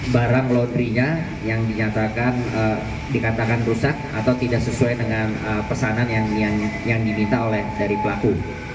barang laundry nya yang dikatakan rusak atau tidak sesuai dengan pesanan yang diminta oleh dari pelaku